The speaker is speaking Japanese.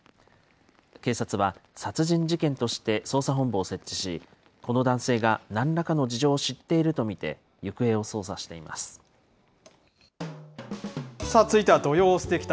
警察は殺人事件として捜査本部を設置し、この男性がなんらかの事情を知っていると見て行方を捜査していま続いては土曜すてき旅。